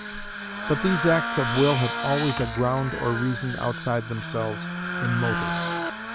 But these acts of will have always a ground or reason outside themselves in motives.